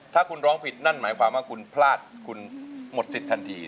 ถ้าคุณร้องผิดนั่นหมายความว่าคุณพลาดคุณหมดสิทธิทันที